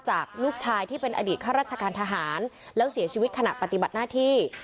จากลูกชายที่เป็นอดีตข้าราชการทหารแล้วเสียชีวิตขณะปฏิบัติหน้าที่